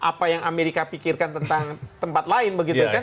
tidak apa apa yang amerika pikirkan tentang tempat lain begitu ya kan